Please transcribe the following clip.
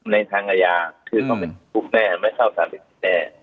ในทางอายาคือเขาเป็นผู้ปลอดภัยไม่เข้าสถานธุรกิจแน่